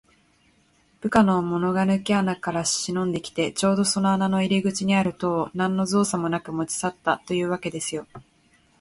部下のものがぬけ穴からしのんできて、ちょうどその穴の入り口にある塔を、なんのぞうさもなく持ちさったというわけですよ。